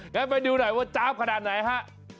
งั้นไปดูหน่อยว่าจ๊าบขนาดไหนฮะ